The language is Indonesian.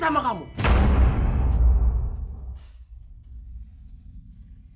sifah menangkap basar reno menculik sifah